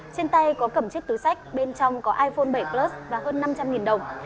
trên tay có cầm chiếc túi sách bên trong có iphone bảy clus và hơn năm trăm linh đồng